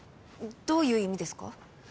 どういう意味ですか？